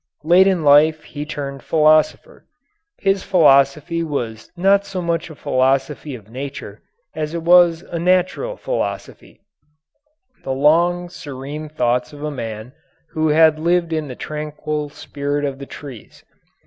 Late in life he turned philosopher. His philosophy was not so much a philosophy of nature as it was a natural philosophy the long, serene thoughts of a man who had lived in the tranquil spirit of the trees.